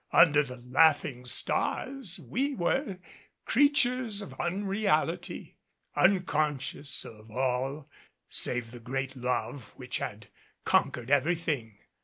Under the laughing stars we were creatures of unreality, unconscious of all save the great love which had conquered everything.